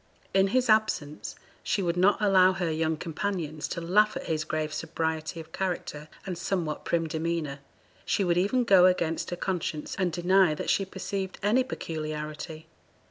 In his absence she would not allow her young companions to laugh at his grave sobriety of character, and somewhat prim demeanour; she would even go against her conscience, and deny that she perceived any peculiarity.